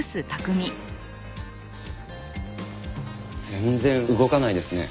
全然動かないですね。